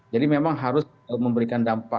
jadi memang harus memberikan dampak